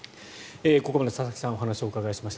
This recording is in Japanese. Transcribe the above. ここまで佐々木さんにお話をお伺いしました。